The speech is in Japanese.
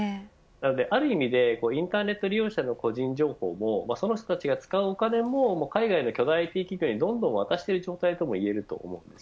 ある意味でインターネット利用者の個人情報もその人たちが使うお金も海外の巨大ＩＴ企業にどんどん渡している状態ともいえると思うんです。